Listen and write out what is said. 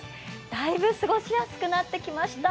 大分過ごしやすくなってきました。